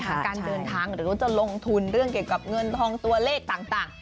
การเดินทางหรือว่าจะลงทุนเรื่องเกี่ยวกับเงินทองตัวเลขต่าง